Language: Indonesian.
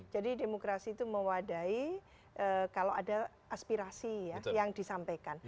jadi demokrasi itu mewadai kalau ada aspirasi ya yang disampaikan